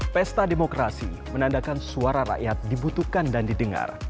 pesta demokrasi menandakan suara rakyat dibutuhkan dan didengar